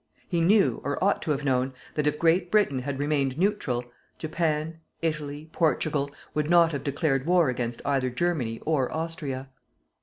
He knew, or ought to have known, that if Great Britain had remained neutral, Japan, Italy, Portugal, would not have declared war against either Germany or Austria.